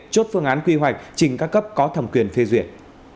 chốt phương án quy hoạch trình các cấp có thẩm quyền phê duyệt